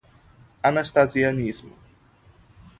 Anastasianismo